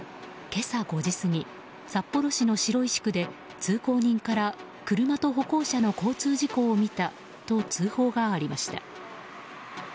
今朝５時過ぎ札幌市の白石区で通行人から車と歩行者の交通事故を見たと通報がありました。